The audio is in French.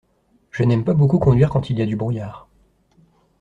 Je n'aime pas beaucoup conduire quand il y a du brouillard.